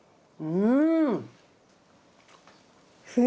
うん。